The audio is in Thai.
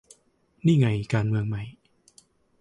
นี่ไง การเมืองใหม่